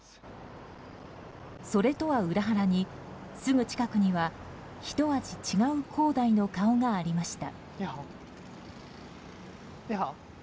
それとは裏腹に、すぐ近くにはひと味違う恒大の顔がありました。